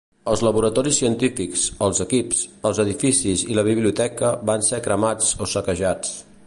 Els laboratoris científics, els equips, els edificis i la biblioteca van ser cremats o saquejats.